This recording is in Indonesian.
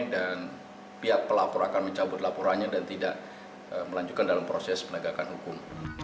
dan pihak pelapor akan mencabut laporannya dan tidak melanjutkan dalam proses penegakan hukum